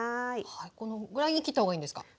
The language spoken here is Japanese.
このぐらいに切ったほうがいいんですか？